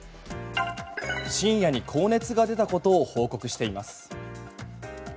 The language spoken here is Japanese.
深夜に高熱が出たことを報告しています。